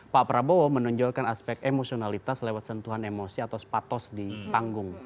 pak prabowo menonjolkan aspek emosionalitas lewat sentuhan emosi atau sepatos di panggung